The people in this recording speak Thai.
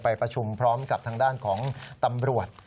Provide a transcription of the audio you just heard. ประชุมพร้อมกับทางด้านของตำรวจ